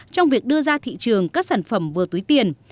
trong việc đưa ra thị trường các sản phẩm vừa túi tiền